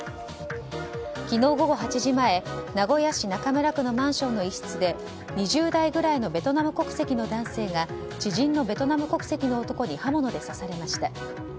昨日午後８時前名古屋市中村区のマンションの一室で２０代くらいのベトナム国世紀の男性が知人のベトナム国籍の男に刃物で刺されました。